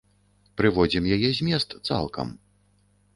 Прыводзім яе змест цалкам.